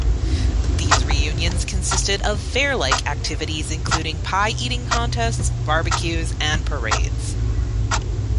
These reunions consisted of fair like activities, including pie eating contests, barbecues, and parades.